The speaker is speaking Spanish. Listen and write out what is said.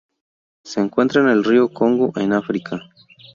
Se encuentra en el río Congo en África.